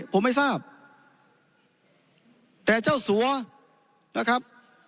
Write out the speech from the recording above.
ผมไม่ทราบแต่เจ้าสัวนะครับ